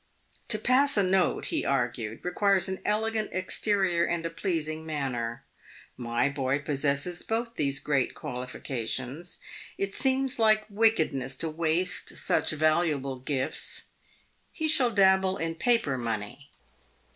" To pass a note," he argued, " requires an elegant exterior and a pleasing manner. My boy possesses both these great qualifications. It seems like wickedness to waste such valuable gifts. He shall dabble in paper money."